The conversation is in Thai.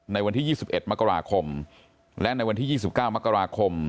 ในวันที่๒๑มกราคมและในวันที่๒๙มกราคม